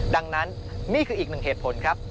ดังนั้นนี่คืออีกหนึ่งเหตุผลครับ